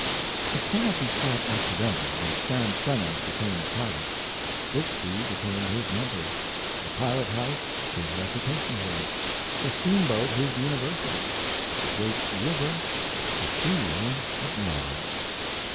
It cannot be thought accidental that Sam Clemens became a pilot. Bixby became his mentor, the pilot house his recitation room, the steamboat his university, the great river the field of knowledge.